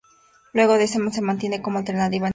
Luego de esto se mantiene como alternativa en su club.